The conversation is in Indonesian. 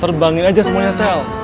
terbangin aja semuanya sel